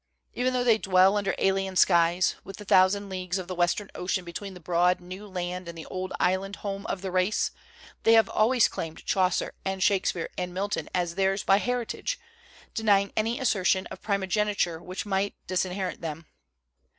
Even tho they dwell under alien skies, with the thousand leagues of the Western Ocean between the broad new land and the old island home of the race, they have always claimed Chaucer and Shakspere and Milton as theirs by 72 WHAT IS AMERICAN LITERATURE? heritage, denying any assertion of primogeni ture which might disinherit them.